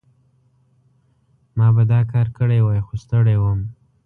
ما به دا کار کړی وای، خو ستړی وم.